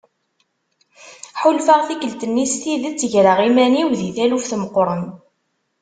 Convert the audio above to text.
Ḥulfaɣ tikkelt-nni s tidet greɣ iman-iw di taluft meqqren.